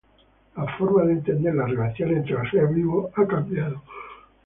La forma de entender las relaciones entre los seres vivos ha cambiado.